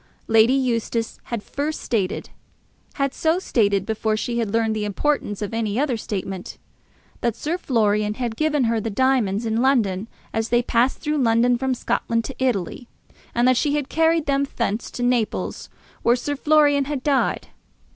Lady Eustace had first stated, had so stated before she had learned the importance of any other statement, that Sir Florian had given her the diamonds in London, as they passed through London from Scotland to Italy, and that she had carried them thence to Naples, where Sir Florian had died.